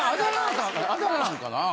あだ名なんかなあ？